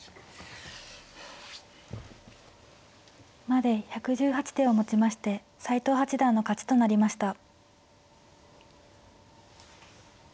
まで１１８手をもちまして斎藤八段の勝ちとなりました。